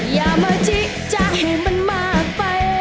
อย่ามาจิจะให้มันมากไป